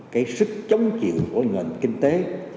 cái sức chống chịu của nền kinh tế